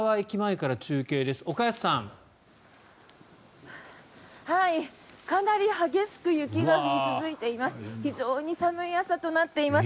かなり激しく雪が降り続いています。